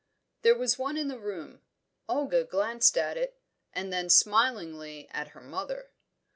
There was one in the room. Olga glanced at it, and then smilingly at her mother.